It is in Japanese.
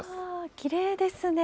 きれいですね。